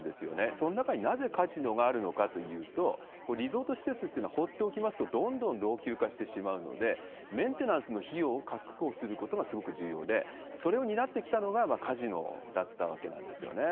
その中になぜカジノがあるのかというと、リゾート施設っていうのは放っておきますと、どんどん老朽化してしまうので、メンテナンスの費用を確保することがすごく重要で、それを担ってきたのがカジノだったわけなんですよね。